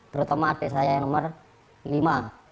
terutama adik saya yang nomor lima